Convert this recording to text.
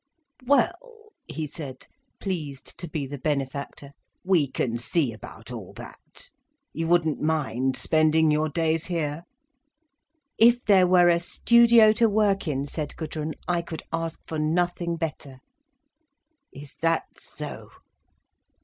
"Well," he said, pleased to be the benefactor, "we can see about all that. You wouldn't mind spending your days here?" "If there were a studio to work in," said Gudrun, "I could ask for nothing better." "Is that so?"